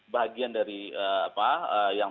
bahagian dari yang